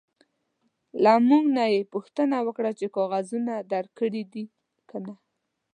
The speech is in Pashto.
له موږ نه یې پوښتنه وکړه چې کاغذونه درکړي دي که نه.